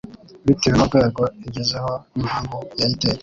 bitewe n'urwego igezeho n'impamvu yayiteye.